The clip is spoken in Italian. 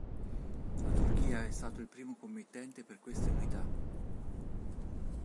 La Turchia è stato il primo committente per queste unità.